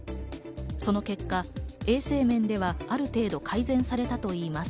その結果、衛生面ではある程度改善されたといいます。